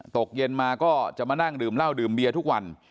ตกเย็นมาก็จะมานั่งดื่มเหล้าดื่มเบียร์ทุกวัน